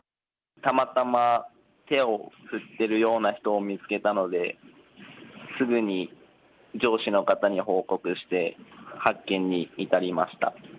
たまたま手を振っているような人を見つけたので、すぐに上司の方に報告して、発見に至りました。